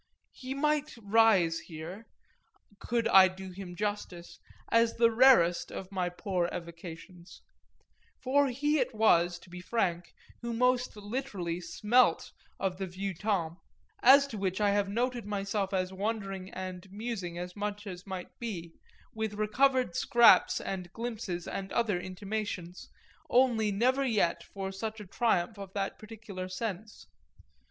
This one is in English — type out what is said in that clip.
He might rise here, could I do him justice, as the rarest of my poor evocations; for he it was, to be frank, who most literally smelt of the vieux temps as to which I have noted myself as wondering and musing as much as might be, with recovered scraps and glimpses and other intimations, only never yet for such a triumph of that particular sense.